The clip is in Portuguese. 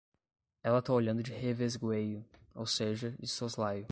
Ela tá olhando de revesgueio, ou seja, de soslaio